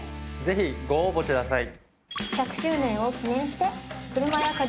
ぜひご応募ください。